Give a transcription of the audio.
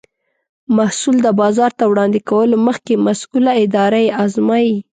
محصول د بازار ته وړاندې کولو مخکې مسؤله اداره یې ازمایي.